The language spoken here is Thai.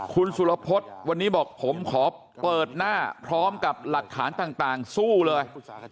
คุณสุรพฤษวันนี้บอกผมขอเปิดหน้าพร้อมกับหลักฐานต่างสู้เลย